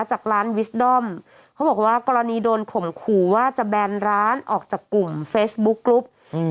จากร้านวิสดอมเขาบอกว่ากรณีโดนข่มขู่ว่าจะแบนร้านออกจากกลุ่มเฟซบุ๊กกรุ๊ปอืม